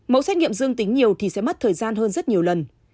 mẫu xét nghiệm dương tính nhiều thì sẽ mất thời gian hơn rất nhiều lần